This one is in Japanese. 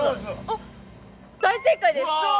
大正解です